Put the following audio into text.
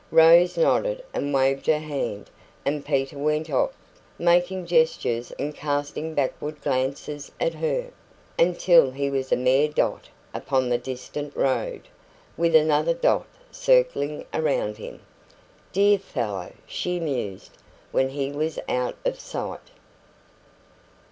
Rose nodded and waved her hand, and Peter went off, making gestures and casting backward glances at her, until he was a mere dot upon the distant road, with another dot circling around him. "Dear fellow!" she mused, when he was out of sight.